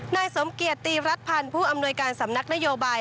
นายสมเกียจตีรัฐพันธ์ผู้อำนวยการสำนักนโยบาย